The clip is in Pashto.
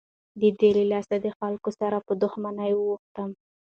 د تا له لاسه دخلکو سره په دښمنۍ واوښتم.